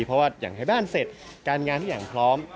เพราะว่าอยากให้บ้านเสร็จการงานทุกอย่างพร้อม